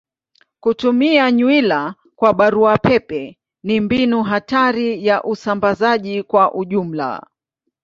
Kutuma nywila kwa barua pepe ni mbinu hatari ya usambazaji kwa ujumla.